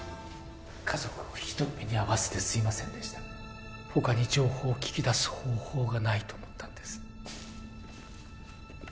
家族をひどい目に遭わせてすいませんでした他に情報を聞き出す方法がないと思ったんです